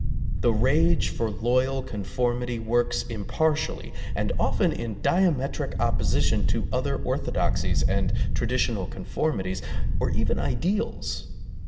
The rage for loyal conformity works impartially, and often in diametric opposi tion to other orthodoxies and traditional con formities, or even ideals.